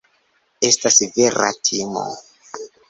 Estas vera timo.